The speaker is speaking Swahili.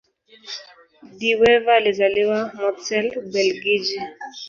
De Wever alizaliwa Mortsel, Ubelgiji.